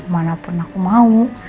mana pun aku mau